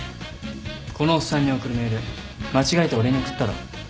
このおっさんに送るメール間違えて俺に送ったろ。